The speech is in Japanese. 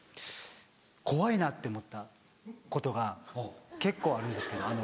怖いなって思ったことが結構あるんですけどあの。